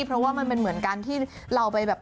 เพราะว่ามันเป็นเหมือนการที่เราไปแบบ